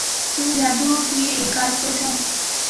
তুমি জাদু দিয়ে এ কাজ করেছ?